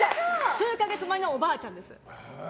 数か月前のおばあちゃんです。